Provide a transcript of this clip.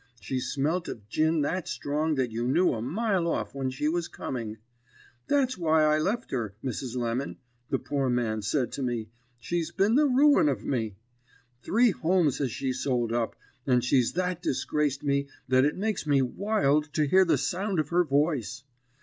She smelt of gin that strong that you knew a mile off when she was coming. 'That's why I left her, Mrs. Lemon,' the poor man said to me; 'she's been the ruin of me. Three homes has she sold up, and she's that disgraced me that it makes me wild to hear the sound of her voice.